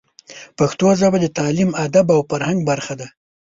پښتو ژبه د تعلیم، ادب او فرهنګ برخه ده.